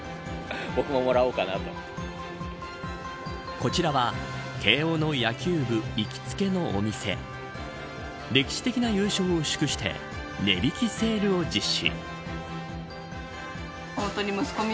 こちらは、慶応の野球部行きつけのお店歴史的な優勝を祝して値引きセールを実施。